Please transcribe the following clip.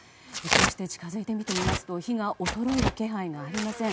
こうして近づいて見てみますと火が衰える気配がありません。